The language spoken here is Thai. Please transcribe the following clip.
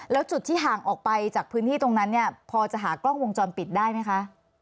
แล้วจุดที่ห่างออกไปจากพื้นที่ตรงนั้นเนี่ยพอจะหากล้องวงจรปิดได้ไหมคะ